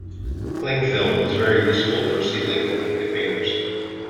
Clingfilm is very useful for sealing open containers